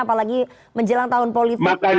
apalagi menjelaskan tentang kejahatan